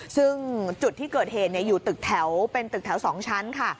ซึ่งจุดที่เกิดเหตุอยู่ตึกแถวเป็นตึกแถว๒ชั้นค่ะ